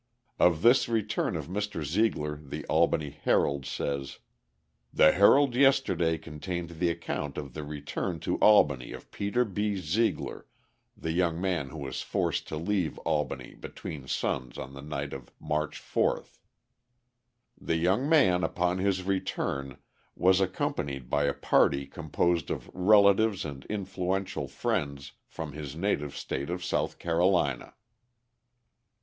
Of this return of Mr. Zeigler the Albany Herald says: The Herald yesterday contained the account of the return to Albany of Peter B. Zeigler, the young man who was forced to leave Albany between suns on the night of March 4th. The young man upon his return was accompanied by a party composed of relatives and influential friends from his native state of South Carolina.